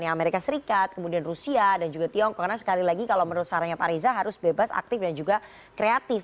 amerika serikat kemudian rusia dan juga tiongkok karena sekali lagi kalau menurut sarahnya pak reza harus bebas aktif dan juga kreatif